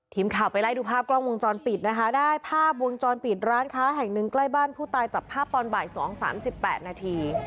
ทีมข่าวไปไล่ดูภาพกล้องวงจรปิดนะคะได้ภาพวงจรปิดร้านค้าแห่งหนึ่งใกล้บ้านผู้ตายจับภาพตอนบ่าย๒๓๘นาที